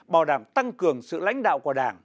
bảo đảm tăng cường sự lãnh đạo của đảng